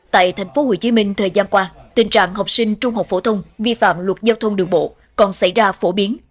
tại tp hcm thời gian qua tình trạng học sinh trung học phổ thông vi phạm luật giao thông đường bộ còn xảy ra phổ biến